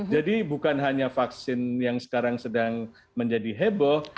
jadi bukan hanya vaksin yang sekarang sedang menjadi heboh